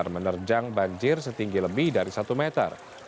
menerjang banjir setinggi lebih dari satu meter